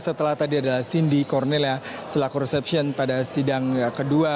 setelah tadi adalah cindy cornelia setelah korespsion pada sidang kedua